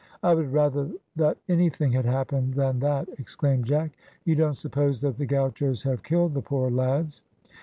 "I would rather that anything had happened than that," exclaimed Jack. "You don't suppose that the gauchos have killed the poor lads?"